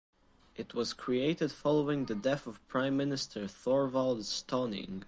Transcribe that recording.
It was created following the death of Prime Minister Thorvald Stauning.